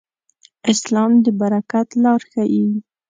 اسلام د برکت لار ښيي.